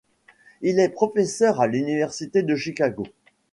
Il est professeur à l'université de Chicago.